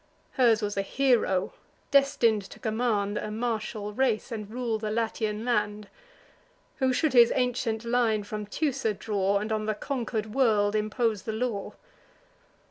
Hers was a hero, destin'd to command A martial race, and rule the Latian land, Who should his ancient line from Teucer draw, And on the conquer'd world impose the law.